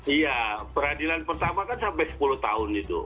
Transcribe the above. iya peradilan pertama kan sampai sepuluh tahun itu